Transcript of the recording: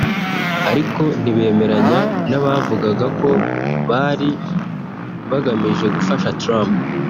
ariko ntibemeranya n’abavugaga ko bari bagamije gufasha Trump